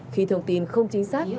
khi thông tin không chính xác